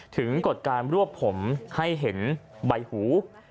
กฎการรวบผมให้เห็นใบหู